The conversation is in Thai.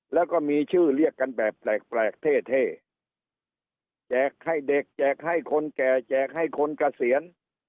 แล้วก็มีชื่อเรียกกันแบบแปลกเท่เท่แจกให้เด็กแจกให้คนแก่แจกให้คนเกษียณ